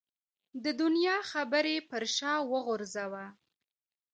د دنیا خبرې پر شا وغورځوه.